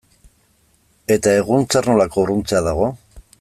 Eta egun zer nolako urruntzea dago?